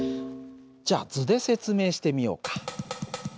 じゃあ図で説明してみようか。